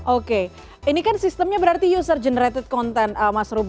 oke ini kan sistemnya berarti user generated content mas ruby